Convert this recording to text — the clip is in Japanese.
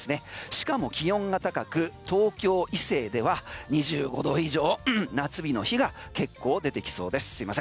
しかも気温が高く東京以西では２５度以上夏日の日が結構出てきそうです。